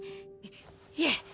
いえ。